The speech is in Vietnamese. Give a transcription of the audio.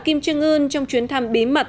kim trương ngân trong chuyến thăm bí mật